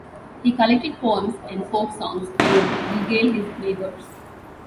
He collected poems and folk songs and would regale his neighbours.